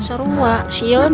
seru wak sion